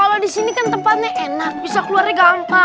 bisa keluarnya gampang